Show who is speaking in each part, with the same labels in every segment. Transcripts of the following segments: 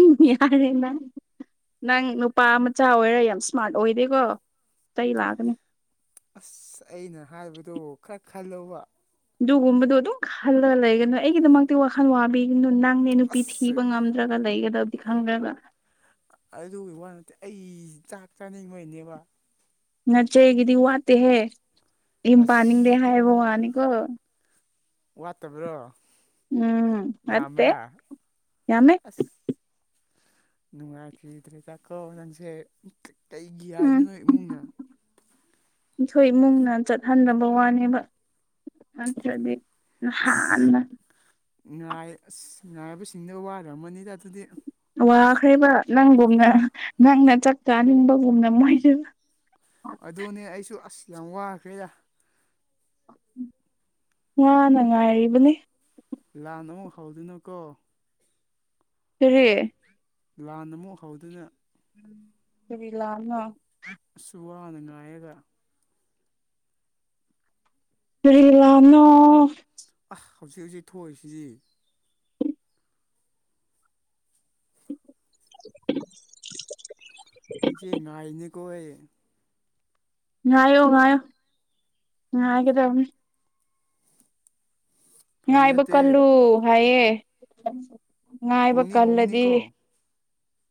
Speaker 1: ꯎꯝ ꯌꯥꯔꯦ ꯃꯥ ꯅꯪ ꯅꯨꯄꯥ ꯃꯆꯥ ꯑꯣꯏꯔ ꯌꯥꯝ ꯏꯁ꯭ꯃꯥꯔꯠ ꯑꯣꯏꯗꯦꯀꯣ ꯑꯇꯩ ꯂꯥꯛꯑꯒꯅꯤ
Speaker 2: ꯑꯁ ꯑꯩꯅ ꯍꯥꯏꯕꯗꯣ ꯈꯔ ꯈꯂꯣꯕ
Speaker 1: ꯑꯗꯨꯒꯒꯨꯝꯕꯗꯣ ꯑꯗꯨꯝ ꯈꯜꯂꯒ ꯂꯩꯒꯅꯨ ꯑꯩꯒꯤꯗꯃꯛꯇꯤ ꯋꯥꯈꯜ ꯈꯟꯋꯥꯕꯤꯅ ꯅꯪꯅꯦ ꯅꯨꯄꯤ
Speaker 2: ꯑꯁ
Speaker 1: ꯊꯤꯕ ꯉꯝꯗ꯭ꯔꯒ ꯂꯩꯒꯗꯕꯗꯤ ꯈꯪꯗ꯭ꯔꯒ
Speaker 2: ꯑꯗꯨꯒꯤ ꯋꯥ ꯅꯠꯇꯦ ꯑꯩ ꯆꯥꯛ ꯆꯥꯅꯤꯡꯉꯅꯦꯕ
Speaker 1: ꯅꯆꯦꯒꯤꯗꯤ ꯋꯥꯠꯇꯦꯍꯦ ꯌꯝ ꯄꯥꯅꯤꯡꯗꯦ
Speaker 2: ꯑꯁ
Speaker 1: ꯍꯥꯏꯕ ꯋꯥꯅꯤ
Speaker 2: ꯋꯥꯠꯇꯕ꯭ꯔꯣ
Speaker 1: ꯎꯝ ꯋꯥꯠꯇꯦ
Speaker 2: ꯌꯥꯝꯕ꯭ꯔꯥ
Speaker 1: ꯌꯥꯃꯦꯃꯦ
Speaker 2: ꯑꯁ ꯅꯨꯡꯉꯥꯏꯈꯤꯗ꯭ꯔꯦ ꯗꯀꯣ ꯅꯪꯁꯦ ꯀꯩꯒꯤ ꯌꯥꯗ꯭ꯔꯤꯅꯣ ꯏꯃꯨꯡꯅ
Speaker 1: ꯑꯩꯈꯣꯢ ꯏꯃꯨꯡꯅ ꯆꯠꯍꯟꯗꯕ ꯋꯥꯅꯦꯕ ꯅꯠꯇꯔꯗꯤ
Speaker 2: ꯑꯁ ꯉꯥꯏ ꯑꯁ ꯉꯥꯏꯕꯁꯤꯡꯗ ꯋꯥꯔꯝꯃꯅꯤꯗ ꯑꯗꯨꯗꯤ
Speaker 1: ꯋꯥꯈ꯭ꯔꯦꯕ ꯅꯪꯒꯨꯝꯅ ꯅꯪꯅ ꯆꯥꯛ ꯆꯥꯅꯤꯡꯕꯒꯨꯝꯅ ꯃꯣꯏꯁ
Speaker 2: ꯑꯗꯨꯅꯦ ꯑꯩꯁꯨ ꯑꯁ ꯌꯥꯝ ꯋꯥꯈ꯭ꯔꯦꯗ
Speaker 1: ꯋꯥꯅ ꯉꯥꯏꯔꯤꯕꯅꯤ
Speaker 2: ꯂꯥꯟ ꯑꯃꯨꯛ ꯍꯧꯗꯣꯏꯅꯣ ꯀꯣ
Speaker 1: ꯀꯔꯤ
Speaker 2: ꯂꯥꯟ ꯑꯃꯨꯛ ꯍꯧꯗꯅ
Speaker 1: ꯎꯝ ꯀꯔꯤ ꯂꯥꯟꯅꯣ
Speaker 2: ꯑꯁ ꯋꯥꯅ ꯉꯥꯏꯔꯒ
Speaker 1: ꯀꯔꯤ ꯂꯥꯟꯅꯣ
Speaker 2: ꯑꯁ ꯍꯧꯖꯤꯛ ꯍꯧꯖꯤꯛ ꯊꯣꯛꯏꯁꯤꯗꯤ
Speaker 1: [unintelligible]
Speaker 2: ꯏꯆꯦ ꯉꯥꯏꯔꯤꯅꯤꯀꯣ ꯑꯩ
Speaker 1: ꯉꯥꯏꯌꯣ ꯉꯥꯏꯌꯣ ꯉꯥꯏꯒꯗꯕꯅꯤ
Speaker 2: ꯐꯥꯒꯤ
Speaker 1: ꯉꯥꯏꯕ
Speaker 2: ꯅꯠꯇꯦ
Speaker 1: ꯀꯜꯂꯨ ꯍꯥꯏꯌꯦ ꯉꯥꯏꯕ
Speaker 2: ꯍꯣꯡꯅꯤ
Speaker 1: ꯀꯜꯂꯗꯤ
Speaker 2: ꯍꯣꯡꯒꯅꯤꯀꯣ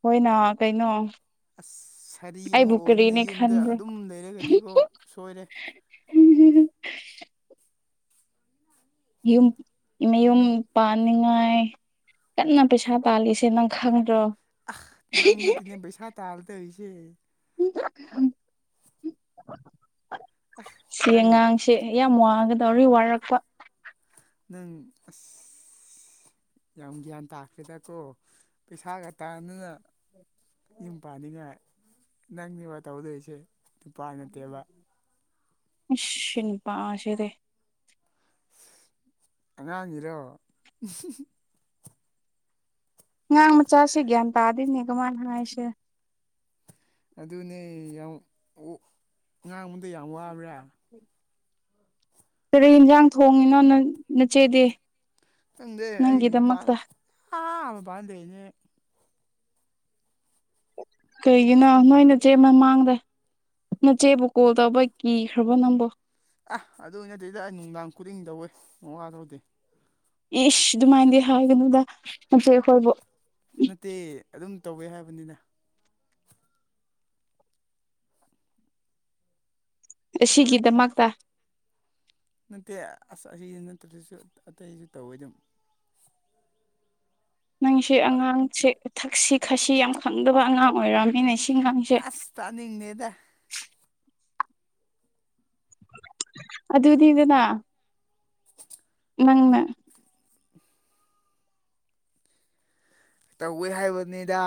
Speaker 1: ꯍꯣꯏꯅ ꯀꯩꯅꯣ
Speaker 2: ꯑꯁ ꯁꯥꯔꯤ
Speaker 1: ꯑꯩꯕꯨ
Speaker 2: ꯑꯃꯨꯛ ꯑꯣꯏꯗꯅ
Speaker 1: ꯀꯔꯤꯅꯦ
Speaker 2: ꯌꯨꯝꯗ
Speaker 1: ꯈꯟꯕ꯭ꯔꯣ
Speaker 2: ꯑꯗꯨꯝ ꯂꯩꯔꯒꯗꯤꯀꯣ ꯁꯣꯏꯔꯦ
Speaker 1: ꯌꯨꯝ ꯃꯌꯨꯝ ꯄꯥꯟꯅꯤꯡꯉꯥꯏ ꯀꯟꯅ ꯄꯩꯁꯥ ꯇꯥꯜꯂꯤꯁꯦ ꯅꯪ ꯈꯪꯗ꯭ꯔꯣ
Speaker 2: ꯅꯪ ꯅꯠꯇꯦꯅꯦ ꯄꯩꯁꯥ ꯇꯥꯜꯂꯗꯨꯢꯁꯦ
Speaker 1: ꯁꯤ
Speaker 2: ꯅꯪ
Speaker 1: ꯑꯉꯥꯡꯁꯤ ꯌꯥꯝ ꯋꯥꯒꯗꯧꯔꯤ ꯋꯥꯔꯛꯄ
Speaker 2: ꯅꯪ ꯑꯁ ꯌꯥꯝ ꯒ꯭ꯌꯥꯟ ꯇꯥꯈ꯭ꯔꯦꯗꯀꯣ ꯄꯩꯁꯥꯒ ꯇꯥꯟꯗꯅ ꯌꯨꯝ ꯄꯥꯟꯅꯤꯉꯥꯢ ꯅꯪꯅꯦꯕ ꯇꯧꯗꯣꯏꯁꯦ ꯅꯨꯄꯥ ꯅꯠꯇꯦꯕ
Speaker 1: ꯑꯁ ꯁꯤ ꯅꯨꯄꯥꯁꯤꯗꯤ
Speaker 2: ꯑꯉꯥꯡꯒꯤꯔꯣ
Speaker 1: ꯑꯉꯥꯡ ꯃꯆꯥꯁꯦ ꯒ꯭ꯌꯥꯟ ꯇꯥꯗꯦꯅꯦ ꯀꯃꯥꯥꯢ ꯍꯥꯏꯁꯤꯔ
Speaker 2: ꯑꯗꯨꯅꯦ ꯌꯥꯝ ꯉꯥꯡꯕꯗꯣ ꯌꯥꯝ ꯋꯥꯕ꯭ꯔꯥ
Speaker 1: ꯎꯝ ꯀꯔꯤ ꯌꯦꯟꯁꯥꯡ ꯊꯣꯡꯉꯤꯅꯣ ꯅ ꯅꯆꯦꯗꯤ
Speaker 2: ꯈꯪꯗꯦ ꯑꯩ ꯃꯄꯥꯟ
Speaker 1: ꯅꯪꯒꯤꯗꯃꯛꯇ
Speaker 2: ꯑꯥ ꯃꯄꯥꯟ ꯂꯩꯅꯦ
Speaker 1: ꯀꯩꯒꯤꯅꯣ ꯅꯣꯏ ꯅꯆꯦ ꯃꯃꯥꯡꯗ ꯅꯆꯦꯕꯨ ꯀꯣꯜ ꯇꯧꯕ ꯀꯤꯈ꯭ꯔꯕꯣ ꯅꯪꯕꯨ
Speaker 2: ꯑꯥ ꯑꯗꯨ ꯅꯠꯇꯦꯗ ꯑꯩ ꯅꯨꯡꯗꯥꯡ ꯈꯨꯗꯤꯡ ꯇꯧꯋꯦ ꯃꯋꯥꯂꯧꯗꯦ
Speaker 1: ꯏꯁ ꯑꯗꯨꯃꯥꯏꯅꯗꯤ ꯍꯥꯏꯒꯅꯣꯗ ꯅꯆꯦ ꯈꯣꯏꯕꯨ
Speaker 2: ꯅꯠꯇꯦ ꯑꯗꯨꯝ ꯇꯧꯋꯦ ꯍꯥꯏꯕꯅꯤꯗ
Speaker 1: ꯑꯁꯤꯒꯤꯗꯃꯛꯇ
Speaker 2: ꯅꯠꯇꯦ ꯑꯁ ꯑꯁꯤꯁꯨ ꯅꯠꯇ꯭ꯔꯗꯁꯨ ꯑꯇꯩꯁꯨ ꯇꯧꯋꯤ ꯑꯗꯨꯝ
Speaker 1: ꯅꯪꯁꯤ ꯑꯉꯥꯡꯁꯦ ꯊꯛꯁꯤ ꯈꯥꯁꯤ ꯌꯥꯝ ꯈꯪꯗꯕ ꯑꯉꯥꯡ ꯑꯣꯏꯔꯝꯅꯤꯅꯦ ꯁꯤ ꯑꯉꯥꯡꯁꯦ
Speaker 2: ꯑꯁ ꯇꯥꯅꯤꯡꯗꯦꯗ
Speaker 1: ꯑꯗꯨꯗꯤꯅ ꯅꯪꯅ
Speaker 2: [unintelligible] ꯇꯧꯋꯦ ꯍꯥꯏꯕꯅꯤꯗ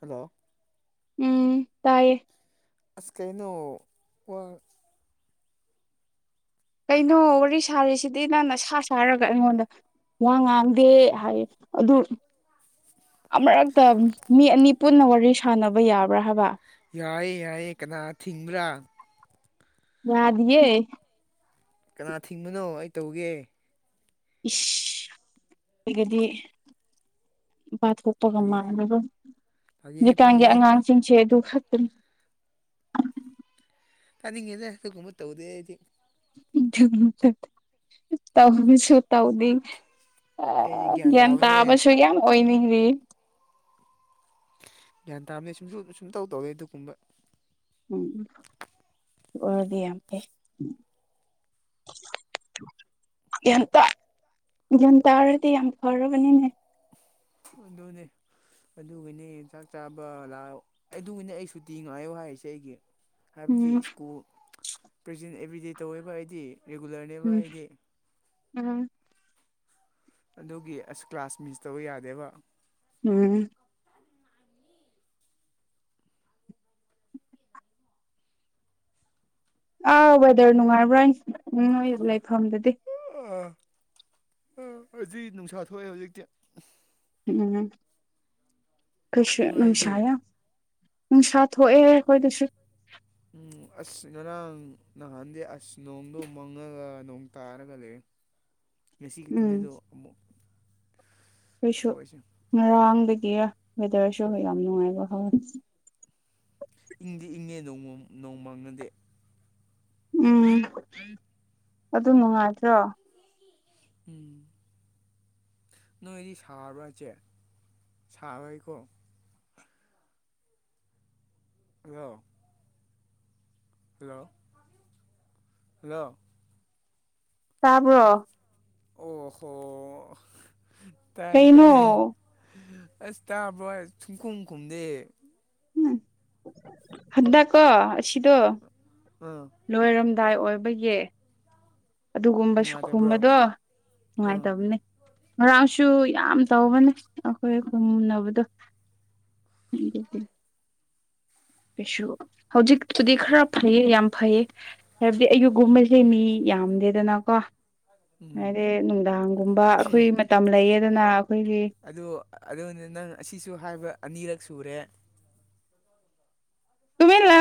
Speaker 2: ꯍꯜꯂꯣ
Speaker 1: ꯎꯝ ꯇꯥꯏꯌꯦ
Speaker 2: ꯑꯁ ꯀꯩꯅꯣ ꯋꯥ
Speaker 1: ꯀꯩꯅꯣ ꯋꯥꯔꯤ ꯁꯥꯔꯤꯁꯤꯗꯤ ꯅꯪꯅ ꯁꯥ ꯁꯥꯔꯒ ꯑꯩꯉꯣꯟꯗ ꯋꯥ ꯉꯥꯡꯗꯦ ꯍꯥꯏ ꯑꯗꯨ ꯑꯃꯨꯔꯛꯇ ꯃꯤ ꯑꯅꯤ ꯄꯨꯟꯅ ꯋꯥꯔꯤ ꯁꯥꯟꯅꯕ ꯌꯥꯕ꯭ꯔꯥ ꯍꯥꯏꯕ
Speaker 2: ꯌꯥꯏꯌꯦ ꯌꯥꯏꯌꯦꯦ ꯀꯅꯥ ꯊꯤꯡꯕ꯭ꯔꯥ
Speaker 1: ꯌꯥꯗꯌꯦ
Speaker 2: ꯀꯅꯥ ꯊꯤꯡꯕꯅꯣ ꯑꯩ ꯇꯧꯒꯦ
Speaker 1: ꯏꯁ ꯑꯣꯏꯒꯗꯤ ꯄꯥꯊꯣꯛꯄꯒ
Speaker 2: ꯐꯥꯒꯤ
Speaker 1: ꯃꯥꯟꯂꯒ
Speaker 2: ꯐꯥꯒꯤꯅꯦ
Speaker 1: ꯍꯧꯖꯤꯛꯀꯥꯟꯒꯤ
Speaker 2: ꯐꯥꯒꯤꯅꯦ
Speaker 1: ꯑꯉꯥꯡꯁꯤꯡꯁꯦ ꯑꯗꯨ ꯈꯛꯇꯅꯤ
Speaker 2: ꯇꯥꯅꯤꯡꯉꯦꯅ ꯑꯗꯨꯒꯒꯨꯝꯕ ꯇꯧꯗꯦꯗꯤ
Speaker 1: ꯇ ꯍꯅꯁꯨ ꯇꯕꯨꯅꯤ
Speaker 2: ꯑꯩꯗꯤ ꯒ꯭ꯌꯥꯟ
Speaker 1: ꯑ
Speaker 2: ꯇꯥꯕꯅꯦ
Speaker 1: ꯇꯕꯁꯨꯣꯏ ꯌꯥꯝꯝ ꯑꯣ ꯃꯤꯔꯤ
Speaker 2: ꯒ꯭ꯌꯥꯟ ꯇꯥꯕꯅꯦ ꯁꯨꯝꯁꯨ ꯁꯨꯝ ꯇꯧ ꯇꯧꯋꯦ ꯑꯗꯨꯒꯨꯝꯕ
Speaker 1: ꯎꯝ ꯎ ꯑꯣꯏꯔꯗꯤ ꯌꯥꯝ ꯐꯩ [unintelligible] ꯒ꯭ꯌꯥꯟ ꯇ ꯒ꯭ꯌꯥꯟ ꯇꯥꯔꯗꯤ ꯌꯥꯝ ꯐꯔꯕꯅꯤꯅꯦ
Speaker 2: ꯍꯗꯅꯦ ꯑꯗꯨꯒꯤꯅꯦ ꯆꯥꯛ ꯆꯥꯕ ꯂꯥꯛꯑꯣ ꯑꯗꯨꯒꯤꯅꯦ ꯑꯩ ꯁꯨꯇꯤ ꯉꯥꯏꯌꯣ ꯍꯥꯏꯔꯤꯁꯦ ꯑꯩꯒꯤ ꯍꯥꯏꯕꯗꯤ
Speaker 1: ꯎꯝ
Speaker 2: ꯁ꯭ꯀꯨꯜ ꯄ꯭ꯔꯖꯦꯟ ꯑꯦꯕ꯭ꯔꯤꯗꯦ ꯇꯧꯋꯦꯕ ꯑꯩꯗꯤ ꯔꯤꯒꯨꯂꯔꯅꯦꯕ ꯑꯩꯗꯤ
Speaker 1: ꯎꯝ
Speaker 2: ꯑꯗꯨꯒꯤ ꯑꯁ ꯀ꯭ꯂꯥꯁ ꯃꯤꯁ ꯇꯧꯕ ꯌꯥꯗꯦꯕ
Speaker 1: ꯎꯝ ꯑꯥꯎ ꯋꯦꯗꯔ ꯅꯨꯡꯉꯥꯏꯕ꯭ꯔꯥ ꯎꯝꯣꯏ ꯂꯩꯐꯝꯗꯗꯤ
Speaker 2: ꯑꯣ ꯑꯥ ꯑꯁꯤ ꯅꯨꯡꯁꯥ ꯊꯣꯛꯑꯦ ꯍꯧꯖꯤꯛꯇꯤ
Speaker 1: ꯎꯝ ꯀꯁ
Speaker 2: ꯅꯣꯏꯗꯤ
Speaker 1: ꯅꯨꯡꯁꯥꯌꯥ ꯅꯨꯡꯁꯥ ꯊꯣꯛꯑꯦ ꯑꯩꯈꯣꯏꯗꯁꯨ
Speaker 2: ꯎꯝ ꯑꯁ ꯉꯔꯥꯡ ꯅꯍꯥꯟꯗꯤ ꯑꯁ ꯅꯣꯡꯗꯣ ꯃꯪꯉꯒ ꯅꯣꯡ ꯇꯥꯔꯒ ꯂꯩ
Speaker 1: [inaudible] ꯎꯝ
Speaker 2: ꯉꯁꯤꯒꯤꯈꯤꯇꯅꯦꯗꯣ ꯑꯃꯨꯛ
Speaker 1: ꯑꯩꯈꯩꯁꯨ
Speaker 2: ꯊꯣꯛꯏꯁꯦ
Speaker 1: ꯉꯔꯥꯡꯗꯒꯤ ꯋꯦꯗꯔꯁꯨ ꯑꯩꯈꯣꯏ ꯌꯥꯝ ꯅꯨꯡꯉꯥꯏꯕ ꯍꯧꯥꯎꯋꯦ
Speaker 2: ꯏꯪꯗꯤ ꯏꯪꯉꯦ ꯅꯣꯡꯃ ꯅꯣꯡ ꯃꯥꯡꯅꯗꯗꯤ
Speaker 1: ꯎꯝ ꯑꯗꯨ ꯅꯨꯡꯉꯥꯏꯇ꯭ꯔꯣ
Speaker 2: ꯎꯝ ꯅꯣꯏꯗꯤ ꯁꯥꯕꯁꯦ ꯁꯥꯕꯣꯏꯀꯣ ꯑ ꯍꯜꯂꯣ ꯍꯜꯂꯣ
Speaker 1: ꯇꯥꯕ꯭ꯔꯣ
Speaker 2: ꯑꯣ ꯍꯣ ꯇꯥꯏ
Speaker 1: ꯀꯩꯅꯣ
Speaker 2: ꯇꯥꯏ ꯑꯁ ꯇꯥꯕ꯭ꯔꯣ ꯁꯨꯝꯈꯣꯡ ꯈꯨꯝꯗꯦ
Speaker 1: ꯎꯝ ꯍꯗ ꯀ ꯑꯁꯤꯁꯤꯗ
Speaker 2: ꯑꯥ
Speaker 1: ꯂꯣꯏꯔꯝꯗꯥꯏ ꯑꯣꯏꯕꯒꯤ ꯑꯗꯨꯒꯨꯝꯕꯁꯨ
Speaker 2: ꯅꯨꯡꯉꯥꯏꯇꯕ꯭ꯔꯣ
Speaker 1: ꯈꯨꯝꯕꯗꯣ
Speaker 2: ꯑ
Speaker 1: ꯅꯨꯡꯉꯥꯏꯇꯕꯅꯤ ꯉꯔꯥꯡꯁꯨ ꯌꯥꯝ ꯇꯧꯕꯅꯦ ꯑꯩꯈꯣꯏꯣꯏ ꯃꯨꯟꯅꯅꯕꯗꯣ ꯎꯝꯜ ꯀꯩꯁꯨ ꯍꯧꯖꯤꯛꯇꯨꯗꯤ ꯈꯔ ꯐꯩꯌꯦ ꯌꯥꯝ ꯐꯩꯌꯦ ꯍꯥꯏꯕꯗꯤ ꯑꯩꯒꯤꯒꯨꯝꯕꯁꯦ ꯃꯤ ꯌꯥꯝꯗꯦꯗꯅꯀꯣ
Speaker 2: ꯎꯝ
Speaker 1: ꯍꯥꯏꯗꯤ ꯅꯨꯡꯗꯥꯡꯒꯨꯝꯕ ꯑꯩꯈꯣꯏ ꯃꯇꯝ ꯂꯩꯌꯦꯗꯅ ꯑꯩꯈꯣꯏꯒꯤ
Speaker 2: ꯑꯗꯨꯣ ꯑꯗꯨꯅ ꯅꯪ ꯑꯁꯤꯁꯨ ꯍꯥꯏꯕ ꯑꯅꯤꯔꯛ ꯁꯨꯔꯦ
Speaker 1: ꯇꯂ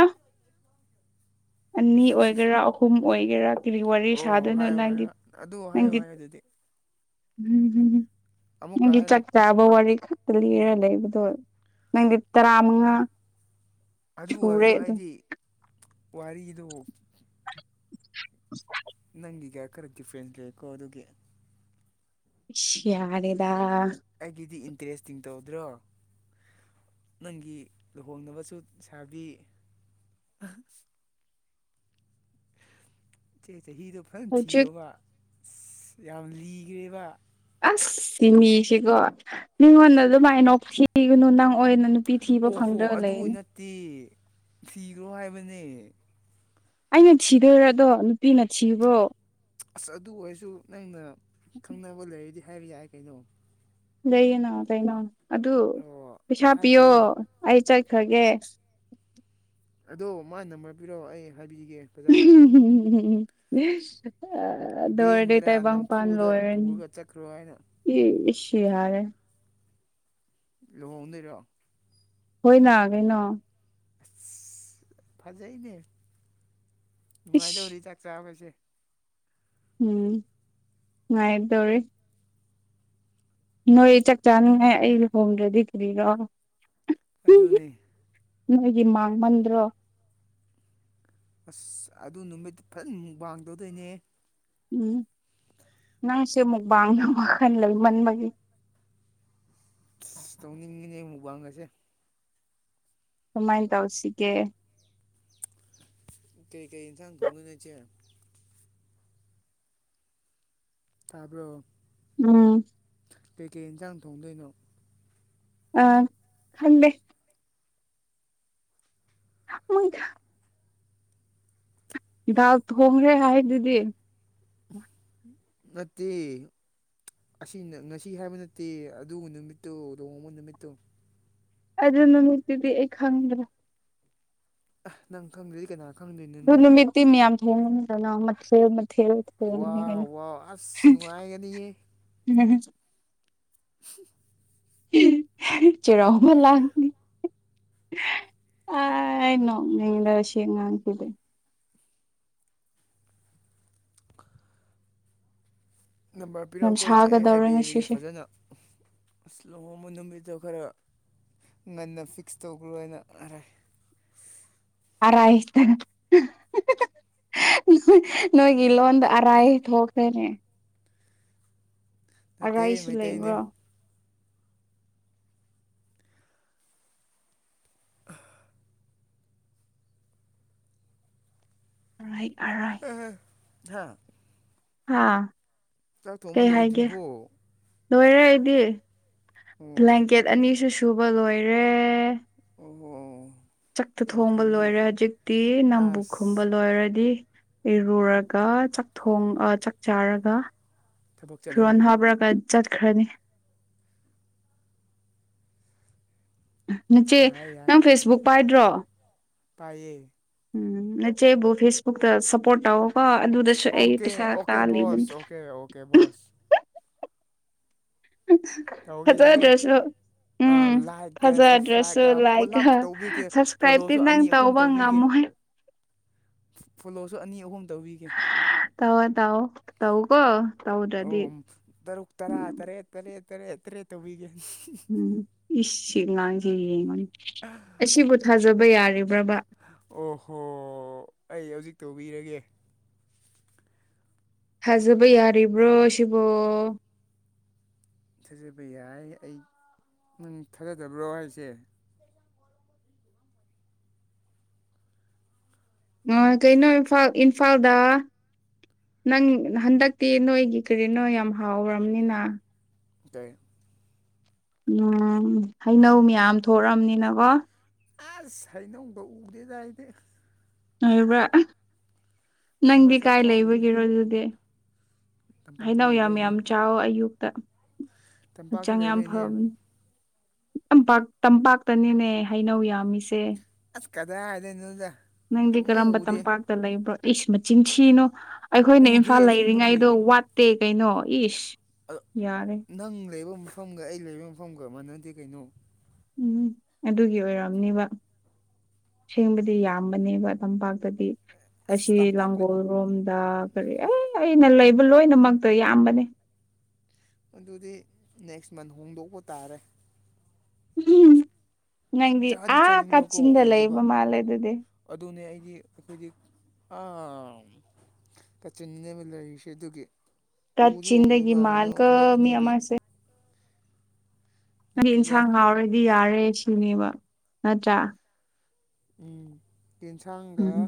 Speaker 1: ꯑꯅꯤ ꯑꯣꯏꯒꯦꯔꯥ ꯑꯍꯨꯝ ꯑꯣꯏꯒꯦꯔꯥ ꯀꯔꯤ ꯋꯥꯔꯤ
Speaker 2: ꯑꯣ
Speaker 1: ꯁꯥꯗꯣꯏꯅꯣ
Speaker 2: ꯍꯥꯏꯌꯣ
Speaker 1: ꯅꯪꯒꯤ
Speaker 2: ꯍꯥꯏꯌꯣ ꯑꯗꯨ ꯍꯥꯏꯌꯣ
Speaker 1: ꯅꯪꯒꯤ
Speaker 2: ꯍꯥꯏꯌꯣ ꯑꯗꯨꯗꯤ ꯑꯃꯨꯛꯀ
Speaker 1: ꯒꯤ ꯆ
Speaker 2: ꯍꯥꯏꯔꯣ
Speaker 1: ꯆꯥꯕ ꯋꯥꯔꯤ ꯈꯛꯇ ꯂꯤꯔ ꯂꯩꯕꯗꯣ ꯅꯪꯗꯤ ꯇꯔꯥꯃꯉꯥ
Speaker 2: ꯑꯗꯨ
Speaker 1: ꯁꯨꯔꯦ
Speaker 2: ꯑꯣꯏꯔꯁꯨ
Speaker 1: ꯑꯗꯨ
Speaker 2: ꯑꯩꯗꯤ ꯋꯥꯔꯤꯗꯨ ꯅꯪꯒꯤꯒ ꯈꯔ ꯗꯤꯐ꯭ꯔꯦꯟꯁ ꯂꯩꯀꯣ ꯑꯗꯨꯒꯤ
Speaker 1: ꯁꯤ ꯌꯥꯔꯦꯗ
Speaker 2: ꯑꯩꯒꯤꯗꯤ ꯏꯟꯇꯔꯦꯁꯇꯤꯡ ꯇꯧꯗ꯭ꯔꯣ ꯅꯪꯒꯤ ꯂꯨꯍꯣꯡꯅꯕꯁꯨ ꯁꯥꯕꯤ ꯏꯆꯦ ꯆꯍꯤꯗꯣ ꯐꯖꯅ
Speaker 1: ꯍꯧꯖꯤꯛ
Speaker 2: ꯊꯤꯌꯣꯕ ꯑ ꯌꯥꯝ ꯂꯤꯈ꯭ꯔꯦꯕ
Speaker 1: ꯑꯁ ꯁꯤ ꯃꯤꯁꯤꯀꯣ ꯃꯤꯉꯣꯟꯗ ꯑꯗꯨꯃꯥꯏ ꯅꯣꯛ ꯊꯤꯒꯅꯨ ꯅꯪ ꯑꯣꯏꯅ ꯅꯨꯄꯤ ꯊꯤꯕ ꯐꯪꯗ꯭ꯔꯒ ꯂꯩꯅꯤ
Speaker 2: ꯇꯤ ꯁꯤꯔꯣ ꯍꯥꯏꯕꯅꯦ
Speaker 1: ꯑꯩꯅ ꯊꯤꯗꯣꯏꯔꯗꯣ ꯅꯨꯄꯤꯅ ꯊꯤꯕ꯭ꯔꯣ
Speaker 2: ꯑꯁ ꯑꯗꯨ ꯑꯣꯏꯔꯁꯨ ꯅꯪꯅ ꯈꯪꯅꯕ ꯂꯩꯔꯗꯤ ꯍꯥꯏꯕ ꯌꯥꯏ ꯀꯩꯅꯣ
Speaker 1: ꯂꯩꯌꯦꯅꯣ ꯀꯩꯅꯣ ꯑꯗꯨ
Speaker 2: ꯑꯣ
Speaker 1: ꯄꯩꯁꯥ ꯄꯤꯌꯣ
Speaker 2: ꯍꯥꯏꯈ꯭ꯔꯣ
Speaker 1: ꯑꯩ ꯆꯠꯈ꯭ꯔꯒꯦ
Speaker 2: ꯑꯗꯣ ꯃꯥ ꯅꯝꯕꯔ ꯄꯤꯔꯛꯑꯣ ꯑꯩ ꯍꯥꯏꯕꯤꯒꯦ ꯐꯖꯅ
Speaker 1: ꯗꯔ ꯗ
Speaker 2: ꯕꯦꯟꯗꯔ
Speaker 1: ꯇꯥꯏꯕ
Speaker 2: ꯅꯝꯐꯨꯗ
Speaker 1: ꯄꯥꯟꯔꯅꯤ
Speaker 2: ꯄꯨꯔꯒ ꯆꯠꯈ꯭ꯔꯣ ꯍꯥꯏꯅ
Speaker 1: ꯏ ꯁꯤ ꯍꯥꯏꯔꯦ
Speaker 2: ꯂꯍꯅꯣ
Speaker 1: ꯍꯣꯏ ꯅꯥ ꯀꯩꯅꯣ
Speaker 2: ꯑꯁ ꯐꯖꯩꯅꯦ
Speaker 1: ꯏꯁ
Speaker 2: ꯅꯨꯡꯉꯥꯏꯗꯧꯔꯤ ꯆꯥꯛ ꯆꯥꯕꯁꯦ
Speaker 1: ꯎꯝꯥꯏꯗꯧꯔꯤ ꯅꯣꯏ ꯆꯥꯛ ꯆꯥꯅꯤꯡꯉꯥꯏ ꯑꯩ ꯂꯨꯍꯣꯡꯗ꯭ꯔꯗꯤ ꯀꯔꯤꯔꯣ
Speaker 2: ꯑꯗꯨꯅꯤ
Speaker 1: ꯅꯣꯏꯒꯤ ꯃꯥꯡꯃꯟꯗ꯭ꯔꯣ
Speaker 2: ꯑꯁ ꯑꯗꯨ ꯅꯨꯃꯤꯠꯇ ꯐꯖꯅ ꯃꯨꯛ ꯋꯥꯡꯗꯧꯗꯣꯏꯅꯦ
Speaker 1: ꯎꯝ ꯅꯪꯁꯦ ꯑꯃꯨꯛ ꯋꯥꯡꯅꯕ ꯋꯥꯈꯜ ꯂꯩꯃꯟꯕꯒꯤ
Speaker 2: ꯇꯧꯅꯤꯡꯉꯤꯅꯦ ꯃꯨꯛꯕꯥꯡꯉꯁꯦ
Speaker 1: ꯀꯃꯥꯏꯅ ꯇꯧꯁꯤꯒꯦ
Speaker 2: ꯀꯩꯀꯩ ꯌꯦꯟꯁꯥꯡ ꯊꯣꯡꯅꯣꯏꯅꯁꯦ ꯇꯥꯔꯕꯣ
Speaker 1: ꯎꯝ
Speaker 2: ꯀꯩꯀꯩ ꯌꯦꯟꯁꯥꯡ ꯊꯣꯡꯗꯣꯏꯅꯣ
Speaker 1: ꯑ ꯈꯗꯦ ꯍꯣꯏꯗ ꯍꯤꯗꯥꯥꯛ ꯊꯣꯡꯈ꯭ꯔꯦ ꯍꯥꯏ ꯑꯗꯨꯗꯤ
Speaker 2: ꯅꯠꯇꯦ ꯑꯁꯤ ꯉꯁꯤ ꯍꯥꯏꯕ ꯅꯠꯇꯦ ꯑꯗꯨ ꯅꯨꯃꯤꯠꯇꯣ ꯂꯨꯍꯃ ꯅꯨꯃꯤꯠꯇꯣ
Speaker 1: ꯑꯗꯨ ꯅꯨꯃꯤꯠꯇꯤꯗꯤ ꯑꯩ ꯈꯪꯗ꯭ꯔꯥ
Speaker 2: ꯑꯍ ꯅꯪ ꯈꯪꯗ꯭ꯔꯗꯤ ꯀꯅꯥꯅꯣ
Speaker 1: ꯑꯗꯨ ꯅꯨꯃꯤꯠꯇꯤꯃꯤ ꯌꯥꯝ ꯊꯦꯡꯗꯅ ꯃ ꯀꯩꯅ
Speaker 2: ꯋꯥꯎ ꯋꯥꯎ ꯑꯁ ꯅꯨꯡꯉꯥꯏꯒꯅꯤꯌꯦ [unintelligible]
Speaker 1: ꯆ ꯔꯍꯃꯜ ꯂꯅꯤ ꯑ ꯏꯅꯣ ꯅꯤꯡ ꯁ ꯉꯥꯡ ꯀꯗꯦ
Speaker 2: ꯅꯝꯕꯔ
Speaker 1: ꯌꯥꯝ
Speaker 2: ꯄꯤꯔꯛꯎꯀꯣ ꯏꯆꯦ ꯑꯩ
Speaker 1: ꯁꯥꯒꯗꯧꯔꯦ
Speaker 2: ꯍꯥꯏꯕꯤꯔꯒꯦ
Speaker 1: ꯉꯁꯤꯁꯦ
Speaker 2: ꯐꯖꯅ ꯑ ꯂꯣꯍꯕ ꯅꯨꯃꯤꯠꯇꯣ ꯈꯔ ꯉꯟꯅ ꯐꯤꯛꯁ ꯇꯧꯈ꯭ꯔꯣꯅ ꯑꯔꯦ
Speaker 1: ꯑꯔꯥꯏꯇꯥꯟ ꯅꯣꯏ ꯏꯂꯣꯗ ꯑꯔꯥꯏꯇ ꯍꯣꯇꯦꯅꯦ
Speaker 2: ꯅꯠꯇ
Speaker 1: ꯑꯔꯥꯏꯁꯨ
Speaker 2: ꯃ ꯇ
Speaker 1: ꯂꯩꯕ꯭ꯔꯣ
Speaker 2: ꯑ
Speaker 1: ꯑꯔꯩ ꯑꯔꯥꯏ
Speaker 2: ꯍꯥ
Speaker 1: ꯑꯥ
Speaker 2: ꯆꯥꯛ ꯊꯣꯡꯕ
Speaker 1: ꯀꯩ ꯍꯥꯏꯒꯦ
Speaker 2: ꯂꯣꯏꯗ꯭ꯔꯤꯕꯣ
Speaker 1: ꯂꯣꯏꯔꯦ ꯑꯩꯗꯤ
Speaker 2: ꯑꯣ
Speaker 1: ꯂꯕ꯭ꯂꯦꯡꯀꯦꯠ ꯑꯅꯤꯁꯨ ꯁꯨꯕ ꯂꯣꯏꯔꯦ
Speaker 2: ꯑꯣ
Speaker 1: ꯆꯛꯇ
Speaker 2: ꯌꯥꯝ
Speaker 1: ꯊꯣꯡꯕ
Speaker 2: ꯐꯩꯅꯦ
Speaker 1: ꯂꯣꯏꯔꯦ ꯍꯧꯖꯤꯛꯇꯤ ꯅꯝꯕꯨ ꯈꯨꯝꯕ
Speaker 2: ꯑꯁ
Speaker 1: ꯂꯣꯏꯔꯗꯤ ꯏꯔꯨꯔ ꯆꯥꯛ ꯊꯣꯡ ꯆꯥꯛ ꯆꯥꯔꯒ
Speaker 2: ꯊꯕꯛ
Speaker 1: ꯐꯤꯔꯣꯟ
Speaker 2: ꯆꯠꯂꯅꯤ
Speaker 1: ꯍꯥꯞꯄꯔꯒ ꯆꯠꯈ꯭ꯔꯅꯤ ꯃꯆꯦ
Speaker 2: ꯌꯥꯏ
Speaker 1: ꯅꯪ ꯐꯦꯁꯕꯨꯛ ꯄꯥꯏꯗ꯭ꯔꯣ
Speaker 2: ꯇꯥꯏꯌꯦ
Speaker 1: ꯎꯝ ꯅꯆꯦꯕꯨ ꯐꯦꯁꯕꯨꯛꯇ ꯁꯞꯄꯣꯔꯠ ꯇꯧꯀꯣ ꯑꯗꯨꯗꯁꯨ ꯑꯩ ꯄꯩꯁꯥ ꯇꯥꯜꯂꯤ ꯑꯗꯨꯝ
Speaker 2: ꯀꯦꯕꯁ ꯇꯧꯒꯦ ꯇꯧꯒꯦ
Speaker 1: ꯐꯖꯗ꯭ꯔꯁꯨ
Speaker 2: ꯑ
Speaker 1: ꯎꯝ
Speaker 2: ꯂꯥꯏꯛꯀ
Speaker 1: ꯐꯖꯗ꯭ꯔꯁꯨ
Speaker 2: ꯁꯞꯁꯀ꯭ꯔꯥꯏꯞꯀ
Speaker 1: ꯂꯥꯏꯛ
Speaker 2: ꯄꯨꯂꯞ ꯇꯧꯕꯤꯒꯦ
Speaker 1: ꯁꯞꯁꯀ꯭ꯔꯥꯏꯕꯇꯤ
Speaker 2: ꯐꯣꯂꯣꯁꯨ
Speaker 1: ꯅꯪ
Speaker 2: ꯑꯅꯤ ꯑꯍꯨꯝ
Speaker 1: ꯇꯧꯕ
Speaker 2: ꯇꯧꯕꯤꯒꯦ
Speaker 1: ꯉꯝꯃꯣꯏ
Speaker 2: ꯐꯣꯂꯣꯁꯨ ꯑꯅꯤ ꯑꯍꯨꯝ ꯇꯧꯕꯤꯒꯦ
Speaker 1: ꯇꯑꯣ ꯇꯑꯣ ꯇꯧ ꯀꯣ
Speaker 2: ꯑꯣ ꯇꯔꯨꯛ ꯇꯔꯥ ꯇꯔꯦꯠ ꯇꯔꯦꯠ ꯇꯔꯦꯠ ꯇꯔꯦꯠ ꯇꯧꯕꯤꯒꯦ
Speaker 1: ꯎꯝ ꯏꯒꯥꯡꯁꯤꯦ ꯌꯦꯡꯉꯅꯤ ꯑꯁꯤꯕꯨ ꯊꯥꯖꯕ ꯌꯥꯔꯤꯕ꯭ꯔꯕ
Speaker 2: ꯑꯣꯍꯣ ꯑꯩ ꯍꯧꯖꯤꯛ ꯇꯧꯕꯤꯔꯒꯦ
Speaker 1: ꯊꯥꯖꯕ ꯌꯥꯔꯤꯕ꯭ꯔꯣ ꯁꯤꯕꯣ
Speaker 2: ꯊꯥꯖꯕ ꯌꯥꯏ ꯑꯩ ꯊꯥꯖꯗꯕ꯭ꯔꯣ ꯍꯥꯏꯁꯦ
Speaker 1: ꯑꯣ ꯀꯩꯅꯣ ꯏꯝꯐꯥꯜ ꯏꯝꯐꯥꯜꯗ ꯅꯪ ꯍꯟꯗꯛꯇꯤ ꯅꯣꯏꯒꯤ ꯀꯔꯤꯅꯣ ꯌꯥꯝ ꯍꯥꯎꯔꯕꯔꯕꯅꯤꯅ
Speaker 2: ꯑ
Speaker 1: ꯎꯝ ꯍꯩꯅꯧ ꯃꯌꯥꯝ ꯊꯣꯛꯛꯑꯝꯅꯤꯅꯀꯣ
Speaker 2: ꯑꯁ ꯍꯥꯏꯅꯎꯗꯣ ꯎꯗꯦ ꯇꯥꯏꯗ
Speaker 1: ꯍꯥꯏꯕ꯭ꯔꯥ ꯅꯪꯗꯤ
Speaker 2: ꯃꯁꯛ
Speaker 1: ꯀꯥꯏ
Speaker 2: ꯐꯥꯎ ꯎꯗꯦ
Speaker 1: ꯂꯩꯕꯒꯤꯔꯣ ꯑꯗꯨꯗꯤ
Speaker 2: ꯇꯝꯄꯥꯛꯇ
Speaker 1: ꯍꯥꯏꯩꯅꯧ ꯌꯥꯝ
Speaker 2: ꯂꯩꯕꯩꯅꯦ
Speaker 1: ꯌꯥꯝ ꯆꯥꯎꯋ ꯑꯌꯨꯛꯇ
Speaker 2: ꯇꯝꯄꯥꯛꯇ
Speaker 1: ꯍꯛꯆꯥꯡ ꯌꯥꯝ
Speaker 2: ꯂꯩꯕꯩꯅꯦ
Speaker 1: ꯐꯕꯅꯤ ꯇꯄꯥꯛ ꯇꯝꯄꯥꯛꯇꯅꯤꯅꯦ ꯍꯩꯅꯧ ꯌꯥꯝꯃꯤꯁꯦ
Speaker 2: ꯑꯁ ꯀꯗꯥ ꯍꯥꯏꯗ ꯅꯗ
Speaker 1: ꯅꯪꯗꯤ ꯀꯔꯝꯕ ꯇꯝꯄꯥꯛꯇ ꯂꯩꯕ꯭ꯔꯣ ꯑꯩꯁꯨ ꯃꯆꯤꯟꯊꯤꯅꯣ ꯑꯩꯈꯣꯏꯅ
Speaker 2: ꯎꯗꯦ
Speaker 1: ꯏꯝꯐꯥꯜ
Speaker 2: ꯑꯁꯦꯡꯕꯒꯤ
Speaker 1: ꯂꯩꯔꯤꯉꯩꯗꯣ ꯋꯥꯠꯇꯦ ꯀꯩꯅꯣ ꯏꯁ ꯌꯥꯔꯦ
Speaker 2: ꯅꯪ ꯂꯩꯕ ꯃꯐꯝꯒ ꯑꯩ ꯂꯩꯕ ꯃꯐꯝꯒ ꯑꯃꯅꯗꯤ ꯀꯩꯅꯣ
Speaker 1: ꯎꯝ ꯑꯗꯨꯒꯤ ꯑꯣꯏꯔꯝꯅꯦꯕ ꯁꯦꯡꯕꯗꯤ ꯌꯥꯝꯕꯅꯦꯕ ꯇꯝꯄꯥꯛꯇꯗꯤ
Speaker 2: ꯑꯁ
Speaker 1: ꯑꯁꯤ
Speaker 2: ꯇꯝꯄꯥꯛꯅ
Speaker 1: ꯂꯥꯡꯒꯣꯜ ꯣꯝꯗ ꯀꯔꯤ ꯑꯦ ꯑꯩꯅ ꯂꯩꯕ ꯂꯣꯏꯅꯃꯛꯇ ꯌꯥꯝꯕꯅꯦ
Speaker 2: ꯑꯗꯨꯗꯤ ꯅꯦꯛꯁ ꯃꯟ ꯍꯣꯡꯗꯣꯛꯄ ꯇꯥꯔꯦ
Speaker 1: ꯎ ꯅꯪꯗꯤ
Speaker 2: ꯆꯥꯗꯤ
Speaker 1: ꯑꯥ
Speaker 2: ꯆꯥꯅꯤꯡꯕꯀꯣ
Speaker 1: ꯀꯥꯆꯤꯟꯗ
Speaker 2: ꯎꯗꯕ
Speaker 1: ꯂꯩꯕ ꯃꯥꯜꯂꯦ ꯑꯗꯨꯗꯤ
Speaker 2: ꯑꯗꯨꯅꯦ ꯑꯩꯗꯤ ꯑꯩꯈꯣꯏꯗꯤ ꯀꯠꯆꯤꯟꯕ ꯂꯩꯔꯤꯁꯦ ꯑꯗꯨꯒꯤ ꯎꯗꯤ
Speaker 1: ꯀꯥꯆꯤꯟꯗꯒꯤ
Speaker 2: ꯎꯔꯤꯕ ꯍꯩꯅꯧ
Speaker 1: ꯃꯥꯜꯀ
Speaker 2: ꯑꯃ
Speaker 1: ꯃꯤ
Speaker 2: ꯑꯅꯤꯒꯤ
Speaker 1: ꯑꯃꯁꯦ ꯍꯥꯏꯗꯤ
Speaker 2: ꯅꯠꯇꯦꯗ
Speaker 1: ꯏꯟꯁꯥꯡ ꯉꯥꯎꯔꯗꯤ ꯌꯥꯔꯦ ꯁꯤꯅꯦꯕ ꯅꯠꯇ꯭ꯔꯥ
Speaker 2: ꯎꯝ ꯑꯦꯟꯁꯥꯡꯒ
Speaker 1: ꯎꯝ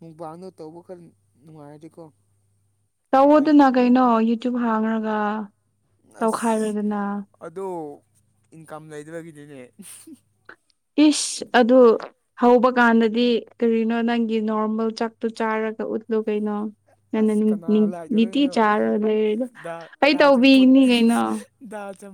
Speaker 2: ꯃꯨꯕꯥꯡꯗꯣ ꯇꯧꯕ ꯈꯔ ꯅꯨꯡꯉꯥꯏꯔꯦꯀꯣ
Speaker 1: ꯇꯧꯑꯣꯗꯅ ꯀꯩꯅꯣ ꯌꯨꯇ꯭ꯌꯨꯕ ꯍꯥꯡꯉꯒ
Speaker 2: ꯑꯁ ꯑꯗꯨ ꯏꯟꯀꯝ ꯂꯩꯗꯕꯒꯤꯗꯤꯅꯦ
Speaker 1: ꯄꯤꯁ ꯑꯗꯨ ꯍꯧꯕ ꯀꯥꯟꯗꯗꯤ ꯀꯔꯤꯅꯣ ꯅꯪꯒꯤ ꯅꯣꯔꯃꯦꯜ ꯆꯥꯛꯇꯣ ꯆꯥꯔꯒ ꯎꯠꯂꯨ ꯀꯩꯅꯣ ꯅꯟꯅ
Speaker 2: ꯑꯁ ꯀꯅꯥ ꯂꯥꯏ
Speaker 1: ꯅꯤꯇꯤ
Speaker 2: ꯇꯧꯗꯣꯏꯅꯣ
Speaker 1: ꯆꯥꯔ ꯂꯩꯔꯦꯗ ꯑꯩ ꯇꯧꯕꯤꯅꯤ ꯀꯩꯅꯣ
Speaker 2: ꯗꯥꯖꯝ